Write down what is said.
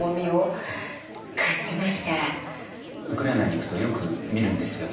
ウクライナに行くとよく見るんですよ